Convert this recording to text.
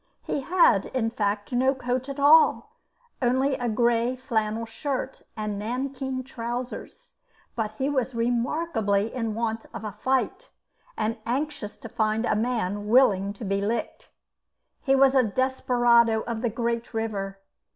He had, in fact, no coat at all, only a grey flannel shirt and nankeen trousers, but he was remarkably in want of a fight, and anxious to find a man willing to be licked. He was a desperado of the great river.